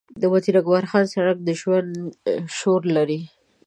د وزیر اکبرخان سړک د ژوند شور لري.